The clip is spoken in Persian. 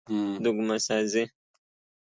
دگمه سازی